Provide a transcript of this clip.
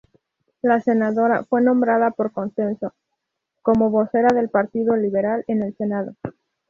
La senadora fue nombrada por consenso, como vocera del Partido Liberal en el Senado.